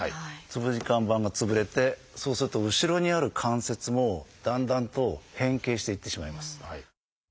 椎間板が潰れてそうすると後ろにある関節もだんだんと変形していってしまいます。